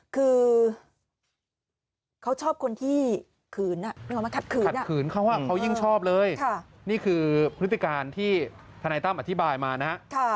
คือเขาชอบคนที่ขืนออกมาขัดขืนขืนเขาเขายิ่งชอบเลยนี่คือพฤติการที่ธนายตั้มอธิบายมานะฮะ